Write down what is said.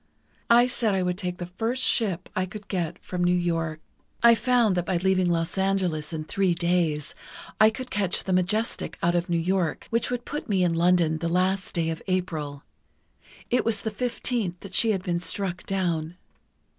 I said I would take the first ship I could get from New York. "I found that by leaving Los Angeles in three days, I could catch the Majestic out of New York, which would put me in London the last day of April. It was the 15th that she had been struck down.